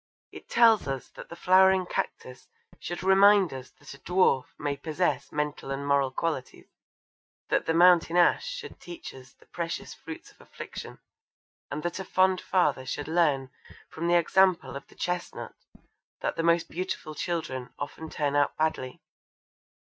It tells us that the flowering cactus should remind us that a dwarf may possess mental and moral qualities, that the mountain ash should teach us the precious fruits of affliction, and that a fond father should learn from the example of the chestnut that the most beautiful children often turn out badly!